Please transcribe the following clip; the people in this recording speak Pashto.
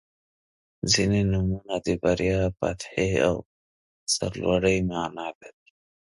• ځینې نومونه د بریا، فتحې او سرلوړۍ معنا لري.